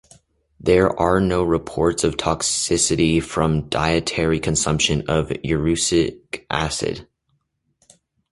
There are no reports of toxicity from dietary consumption of erucic acid.